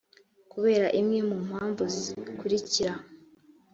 kubera imwe mu mpamvu zikurikira